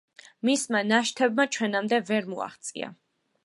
მისმა ნაშთებმა ჩვენამდე ვერ მოაღწია.